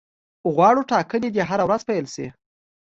غواړو ټاکنې دي هره ورځ پیل شي.